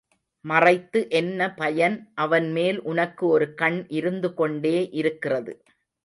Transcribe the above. மறைத்து என்ன பயன் அவன் மேல் உனக்கு ஒரு கண் இருந்துகொண்டே இருக்கிறது.